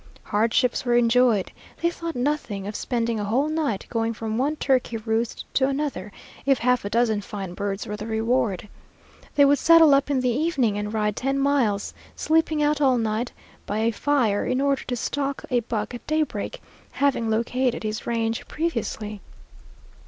Hardships were enjoyed. They thought nothing of spending a whole night going from one turkey roost to another, if half a dozen fine birds were the reward. They would saddle up in the evening and ride ten miles, sleeping out all night by a fire in order to stalk a buck at daybreak, having located his range previously.